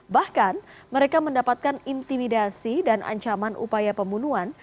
bahkan mereka mendapatkan intimidasi dan ancaman upaya pembunuhan